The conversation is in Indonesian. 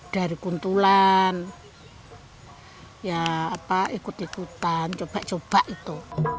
ya gantulan ya ikut ikutan coba coba itu